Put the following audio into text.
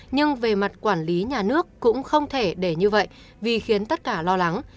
nhưng về mặt quản lý nhà nước cũng không thể để như vậy vì khiến tất cả lo lắng